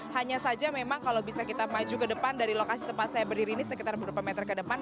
hanya saja memang kalau bisa kita maju ke depan dari lokasi tempat saya berdiri ini sekitar beberapa meter ke depan